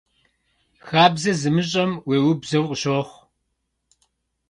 Хабзэ зымыщӏэм уеубзэу къыщохъу.